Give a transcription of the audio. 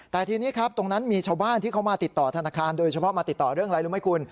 แต่ทีนี้ครับตรงนั้นมีชาวบ้านที่เขามาติดต่อธนาคารโดยเฉพาะมาติดต่อเรื่องอะไรรู้ไหมคุณ